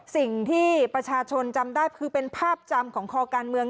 สิ่งที่ประชาชนจำได้คือเป็นภาพจำของคอการเมือง